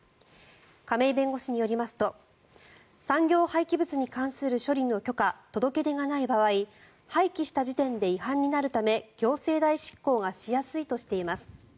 亀井弁護士によりますと産業廃棄物に関する処理の許可、届け出がない場合廃棄した時点で違反になるため行政代執行がしやすいといいます。